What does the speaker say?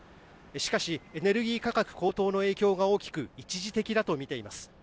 しかし、エネルギー価格高騰の影響が大きく一時的だと見ています。